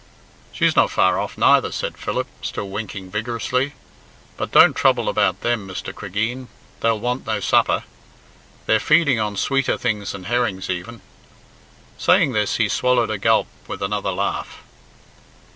"She's not far off neither," said Philip, still winking vigorously. "But don't trouble about them, Mr. Cregeen. They'll want no supper. They're feeding on sweeter things than herrings even." Saying this he swallowed a gulp with another laugh.